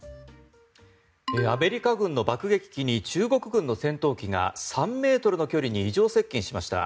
アメリカ軍の爆撃機に中国軍の戦闘機が３ｍの距離に異常接近しました。